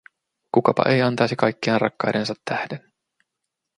Kukapa ei antaisi kaikkeaan rakkaidensa tähden?